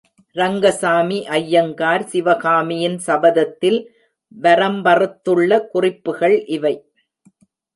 ரங்கசாமி ஐயங்கார் சிவகாமியின் சபத த்தில் வரம்பறுத்துள்ள குறிப்புக்கள் இவை.